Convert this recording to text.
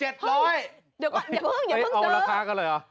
เดี๋ยวก่อนเดี๋ยวเพิ่งเดี๋ยวเพิ่งเซอร์